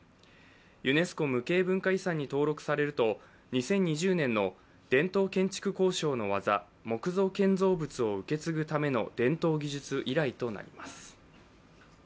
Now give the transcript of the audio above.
ユネスコ無形文化遺産に登録されると、２０２０年の伝統建築工匠の技・木造建造物を受け継ぐための伝統技術以来となります。